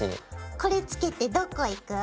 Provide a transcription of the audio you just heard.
これ着けてどこ行く？